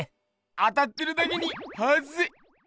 当たってるだけにはずい！